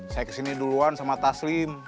saya kesini duluan sama taslim